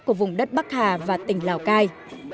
của vùng đất bắc hà và tỉnh lào cai